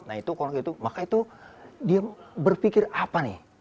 nah itu kalau gitu maka itu dia berpikir apa nih